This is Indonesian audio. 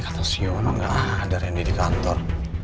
kata si yono gak ada rendy di kantor